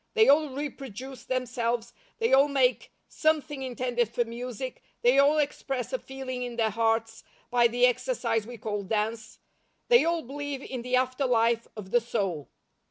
They all reproduce themselves, they all make something intended for music, they all express a feeling in their hearts by the exercise we call dance, they all believe in the after life of the soul.